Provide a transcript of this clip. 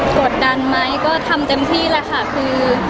กดดันไหมก็ทำเต็มที่แหละค่ะคือ